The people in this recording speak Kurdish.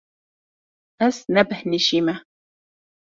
Ez nebêhnijîme.